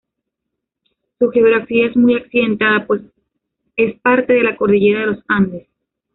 Su geografía es muy accidentada, pues es parte de la cordillera de los andes.